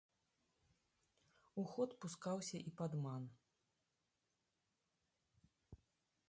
У ход пускаўся і падман.